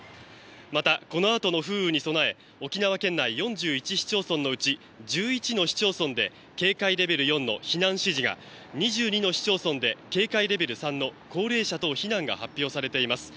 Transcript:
また、このあとの風雨に備え沖縄県内４１の市町村のうち１１の市町村で警戒レベル４の避難指示が２２の市町村で警戒レベル３の高齢者等避難が発表されています。